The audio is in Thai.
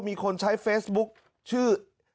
มีคนใช้เฟซบุ๊กชื่อ